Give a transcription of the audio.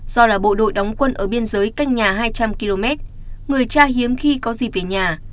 do là bộ đội đóng quân ở biên giới cách nhà hai trăm linh km người cha hiếm khi có gì về nhà